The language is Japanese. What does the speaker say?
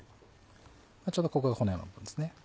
ちょうどここが骨なんですね。